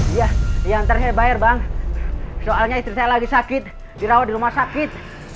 iya yang terakhir bayar bang soalnya istri saya lagi sakit dirawat di rumah sakit